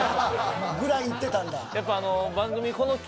ぐらい行ってたんだ。